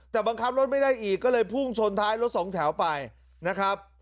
แต่บังคับรถไม่ได้อีกก็เลยพุ่งชนท้ายรถสองแถวไปนะครับ